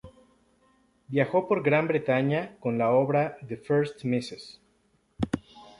Viajó por Gran Bretaña con la obra "The First Mrs.